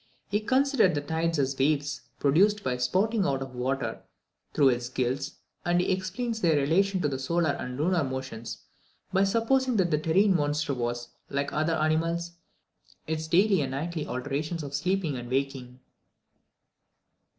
He considered the tides as waves produced by the spouting out of water through its gills, and he explains their relation to the solar and lunar motions by supposing that the terrene monster has, like other animals, its daily and nightly alternations of sleeping and waking.